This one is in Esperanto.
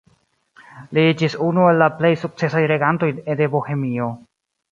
Li iĝis unu el la plej sukcesaj regantoj de Bohemio.